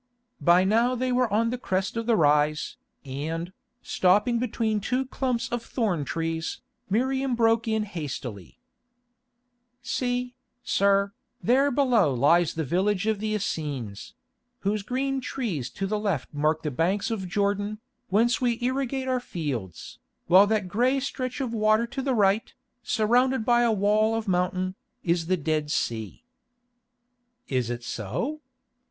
By now they were on the crest of the rise, and, stopping between two clumps of thorn trees, Miriam broke in hastily: "See, sir, there below lies the village of the Essenes; those green trees to the left mark the banks of Jordan, whence we irrigate our fields, while that grey stretch of water to the right, surrounded by a wall of mountain, is the Dead Sea." "Is it so?